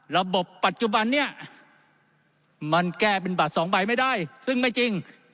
ระบบปัจจุบันนี้มันแก้เป็นบัตรสองใบไม่ได้ซึ่งไม่จริง